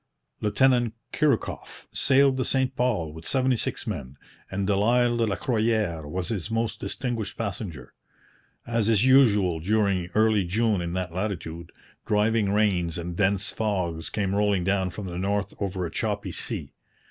Lieutenant Chirikoff sailed the St Paul with seventy six men, and Delisle de la Croyère was his most distinguished passenger. As is usual during early June in that latitude, driving rains and dense fogs came rolling down from the north over a choppy sea.